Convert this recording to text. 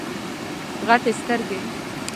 غټي سترګي